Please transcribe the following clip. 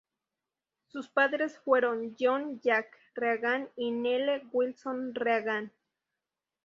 Sus padres fueron John "Jack" Reagan y Nelle Wilson Reagan.